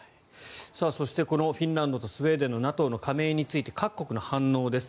そしてこのフィンランドとスウェーデンのＮＡＴＯの加盟について各国の反応です。